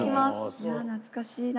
いや懐かしいな。